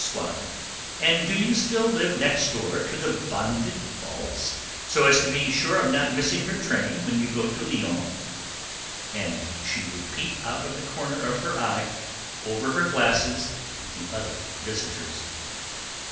Swann, and do you still live next door to the Bonded Vaults, so as to be sure of not missing your train when you go to Lyons?" and she would peep out of the corner of her eye, over her glasses, at the other visitors.